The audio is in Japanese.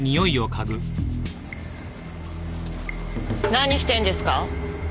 何してんですか？